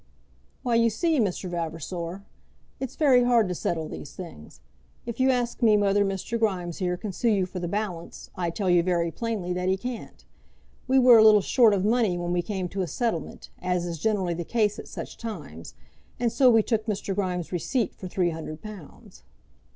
"Why you see, Mr. Vavasor, it's very hard to settle these things. If you ask me whether Mr. Grimes here can sue you for the balance, I tell you very plainly that he can't. We were a little short of money when we came to a settlement, as is generally the case at such times, and so we took Mr. Grimes' receipt for three hundred pounds."